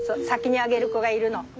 先にあげる子がいるの。